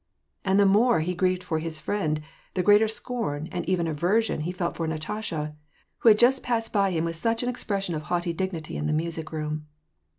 And the more he grieved for his friend, the greater scorn, and even aversion, he felt for this Natasha, who had just passed by him with such an expression of haughty dignity in the music room.